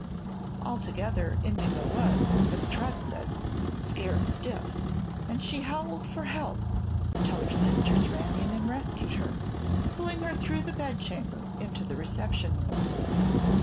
Altogether, Indigo was, as Trot said, "scared stiff," and she howled for help until her sisters ran in and rescued her, pulling her through the bedchamber into the reception room.